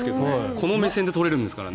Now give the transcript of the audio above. この目線で取れるんですからね。